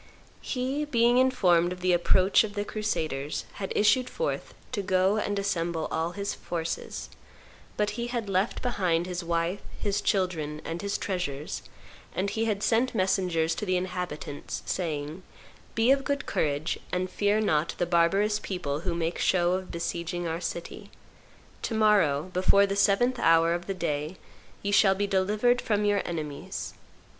He, being informed of the approach of the crusaders, had issued forth, to go and assemble all his forces; but he had left behind his wife, his children, and his treasures, and he had sent messengers to the inhabitants, saying, "Be of good courage, and fear not the barbarous people who make show of besieging our city; to morrow, before the seventh hour of the day, ye shall be delivered from your enemies."